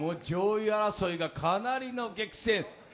上位争いがかなりの激戦。